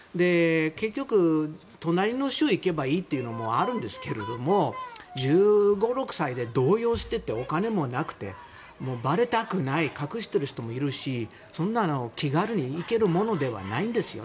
結局、隣の州に行けばいいというのもあるんですけど、１５１６歳で動揺していて、お金もなくてばれたくない隠している人もいるしそんなの気軽に行けるものではないんですよ。